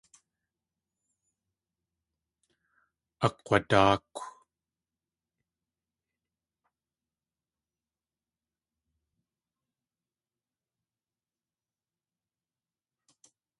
Akg̲wadáakw.